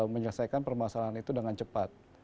menyelesaikan permasalahan itu dengan cepat